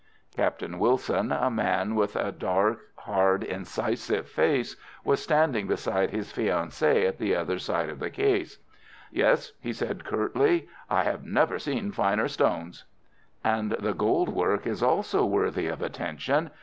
Captain Wilson, a man with a dark, hard, incisive face, was standing beside his fiancée at the other side of the case. "Yes," said he, curtly, "I have never seen finer stones." "And the gold work is also worthy of attention.